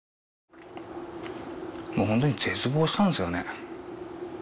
本当に絶望したんですよね。